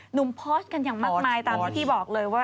โพสต์กันอย่างมากมายตามที่พี่บอกเลยว่า